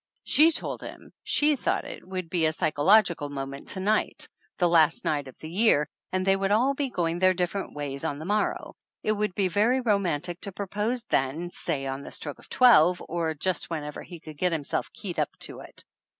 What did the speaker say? She told him she thought it would be a psycho logical moment to night, the last night of the year, and they would all be going their different ways on the morrow. It would be very romantic to propose then, say on the stroke of twelve, or just whenever he could get himself keyed up to it.